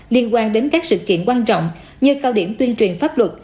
liên quan đến các sự kiện quan trọng như cao điểm tuyên truyền pháp luật